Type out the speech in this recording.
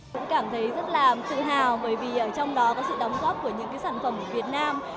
cũng cảm thấy rất là tự hào bởi vì trong đó có sự đóng góp của những sản phẩm việt nam